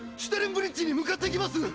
ブリッジに向かっていきます！